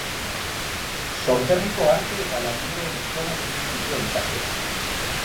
Sorterriko Arte eta Lanbideen Eskolan egin zituen ikasketak.